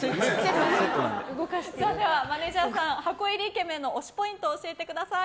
では、マネジャーさん箱イケメンの推しポイントを教えてください。